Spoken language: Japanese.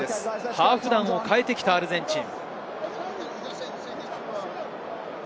ハーフ団を代えてきたアルゼンチン。